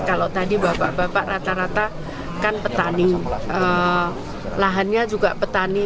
kalau tadi bapak bapak rata rata kan petani